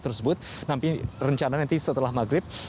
tersebut nanti rencana nanti setelah maghrib